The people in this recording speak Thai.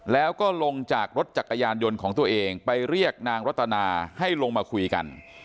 แล้วก็ลงจากรถจักรยานยนต์ของตัวเองไปเรียกนางรัตนาให้ลงมาคุยกัน